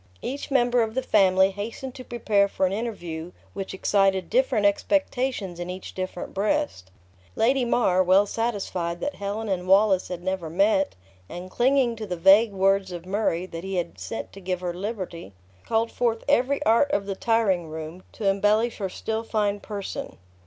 Each member of the family hastened to prepare for an interview which excited different expectations in each different breast. Lady Mar, well satisfied that Helen and Wallace had never met, and clinging to the vague words of Murray, that he had sent to give her liberty, called forth every art of the tiringroom to embellish her still fine person.